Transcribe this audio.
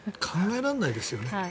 考えられないですよね。